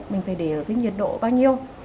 mình phải để ở cái nhiệt độ bao nhiêu